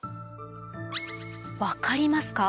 分かりますか？